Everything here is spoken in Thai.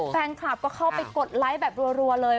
แฟนคลับก็เข้าไปกดไลค์แบบรัวเลย